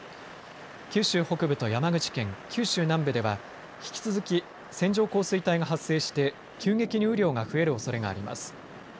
九州北部と山口県、九州南部では引き続き、線状降水帯が発生して急激に雨量が増えるおそれがあります。